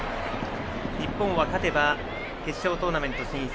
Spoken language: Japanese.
日本は勝てば決勝トーナメント進出。